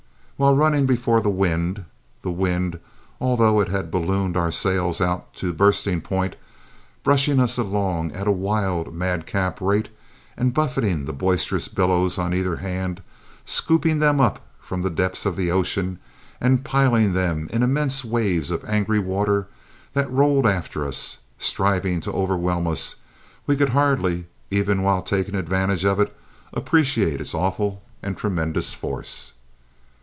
While running before the wind, the wind, although it had ballooned our sails out to bursting point, brushing us along at a wild, mad cap rate, and buffeting the boisterous billows on either hand, scooping them up from the depths of the ocean and piling them in immense waves of angry water that rolled after us, striving to overwhelm us, we could hardly, even while taking advantage of it, appreciate its awful and tremendous force.